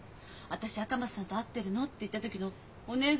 「私赤松さんと会ってるの」って言った時のお義姉さんの顔！